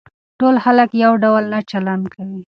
ټول خلک يو ډول نه چلن کوي.